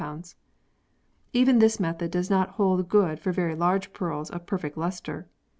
Even this method does not hold good for very large pearls of perfect lustre.